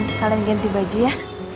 sekalian ganti baju ya